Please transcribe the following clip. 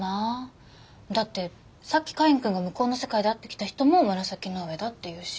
だってさっきカインくんが向こうの世界で会ってきた人も紫の上だっていうし。